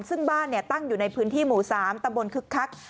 ซึ่งบ้านตั้งอยู่ในพื้นที่หมู่๓ตำบลคึกคัก